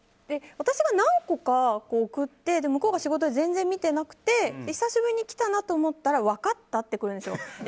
私が何個か送って向こうが仕事で全然見てなくて久しぶりに来たなと思ったら分かった？って来るんですよ。